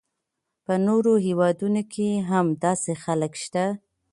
په نورو هیوادونو کې هم داسې خلک شته.